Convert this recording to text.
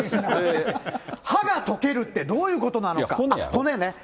歯が溶けるってどういうことなのか。